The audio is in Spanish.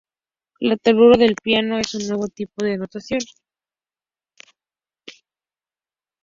La tablatura de piano es un nuevo tipo de notación.